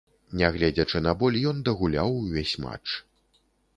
Нягледзячы на боль, ён дагуляў увесь матч.